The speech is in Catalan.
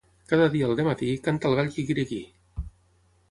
Cada dia al dematí, canta el gall quiquiriquí.